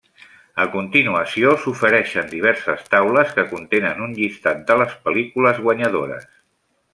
A continuació s'ofereixen diverses taules que contenen un llistat de les pel·lícules guanyadores.